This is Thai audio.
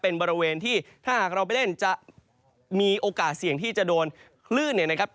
เป็นบริเวณที่ถ้าหากเราไปเล่นจะมีโอกาสเสี่ยงที่จะโดนคลื่นเนี่ยนะครับ